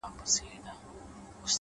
هره ورځ د بدلون فرصت دی.!